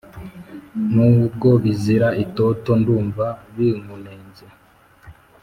n’ubwo bizira itoto ndumva binkunenze